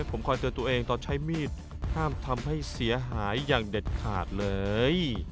ผมคอยเตือนตัวเองตอนใช้มีดห้ามทำให้เสียหายอย่างเด็ดขาดเลย